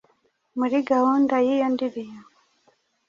muri gahunda y'iyo ndirimbo.